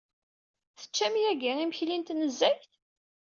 Teččam yagi imekli n tnezzayt?